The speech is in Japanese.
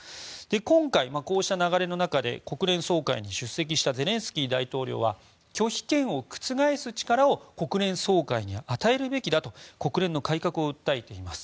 今回、こうした流れの中で国連総会に出席したゼレンスキー大統領は拒否権を覆す力を国連総会に与えるべきだと国連の改革を訴えています。